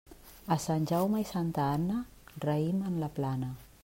A Sant Jaume i Santa Anna, raïm en la plana.